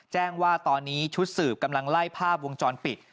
แจ้งว่าตอนนี้ชุดสืบกำลังไล่ภาพวงจรปิด